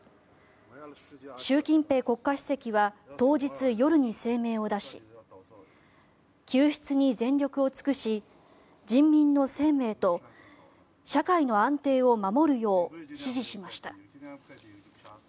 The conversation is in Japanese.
習近平国家主席は当日夜に声明を出し救出に全力を尽くし人民の生命と社会の安定を守るよう指示しました。